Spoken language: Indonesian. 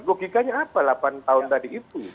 logikanya apa delapan tahun tadi itu